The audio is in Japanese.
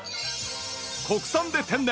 国産で天然！